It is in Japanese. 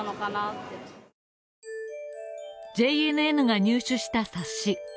ＪＮＮが入手した冊子。